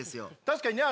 確かにね